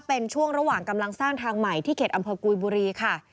เป็นช่วงระหว่างกำลังสร้างทางใหม่ที่เขตอำเภอกุยบุรีค่ะ